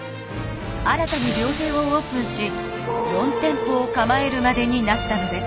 新たに料亭をオープンし４店舗を構えるまでになったのです。